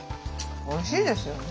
おいしいですよね。